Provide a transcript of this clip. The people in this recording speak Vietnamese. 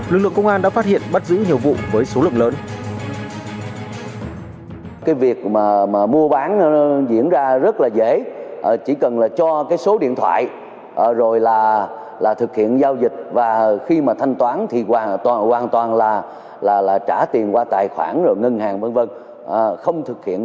lực lượng công an đã phát hiện bắt giữ nhiều vụ với số lượng lớn